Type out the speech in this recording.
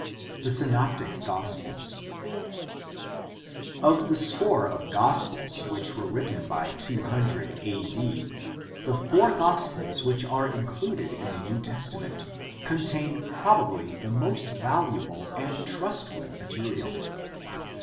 The Synoptic Gospels. — Of the score of gospels which were written by 200 a.d. the four gospels which are included in the New Testament contain probably the most valuable and trustworthy material.